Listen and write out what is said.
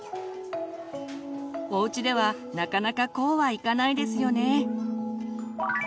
おうちではなかなかこうはいかないですよね。